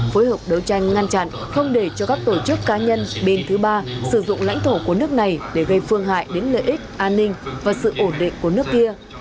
phối hợp đấu tranh ngăn chặn không để cho các tổ chức cá nhân bên thứ ba sử dụng lãnh thổ của nước này để gây phương hại đến lợi ích an ninh và sự ổn định của nước kia